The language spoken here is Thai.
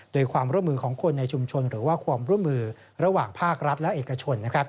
โดยความร่วมมือของคนในชุมชนหรือว่าความร่วมมือระหว่างภาครัฐและเอกชน